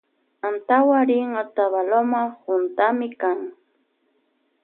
Antawu rin otavaloma juntamikan.